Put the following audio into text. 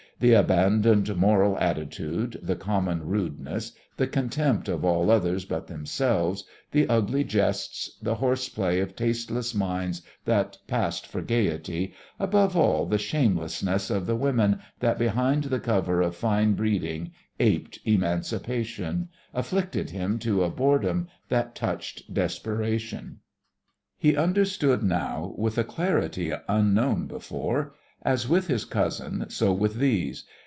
The abandoned moral attitude, the common rudeness, the contempt of all others but themselves, the ugly jests, the horseplay of tasteless minds that passed for gaiety, above all the shamelessness of the women that behind the cover of fine breeding aped emancipation, afflicted him to a boredom that touched desperation. He understood now with a clarity unknown before. As with his cousin, so with these.